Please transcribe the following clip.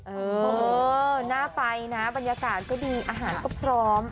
เออน่าไปนะบรรยากาศก็ดีอาหารก็พร้อม